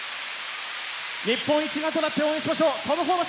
日本一丸となって応援しましょう。